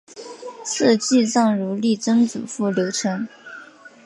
赐祭葬如例曾祖父刘澄。